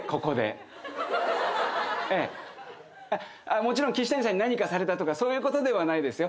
あっもちろん岸谷さんに何かされたとかそういう事ではないですよ。